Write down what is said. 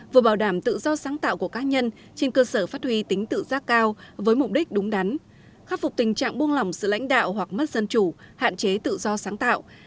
vừa bảo đảm tự do sáng tạo của các nhân trên cơ sở phát huy tính tự giác cao với mục đích đúng đắn khắc phục tình trạng buông lỏng sự lãnh đạo hoặc mất dân chủ hạn chế tự do sáng tạo